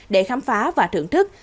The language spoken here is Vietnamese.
để khám phá và thưởng thức